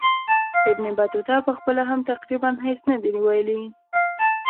ابن بطوطه پخپله هم تقریبا هیڅ نه دي ویلي.